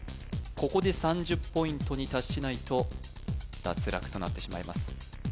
ここで３０ポイントに達しないと脱落となってしまいます